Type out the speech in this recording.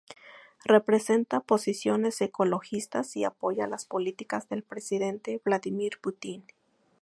Representa posiciones ecologistas y apoya las políticas del presidente Vladimir Putin.